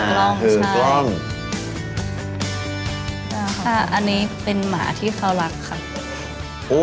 อันนี้เป็นหมาที่เขารักค่ะ